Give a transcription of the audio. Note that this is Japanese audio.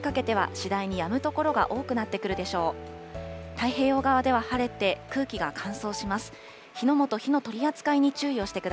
太平洋側は晴れて、空気が乾燥するでしょう。